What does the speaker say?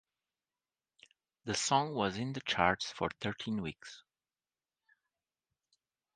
The song was in the charts for thirteen weeks.